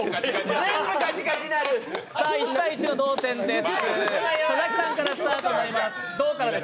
１対１の同点です。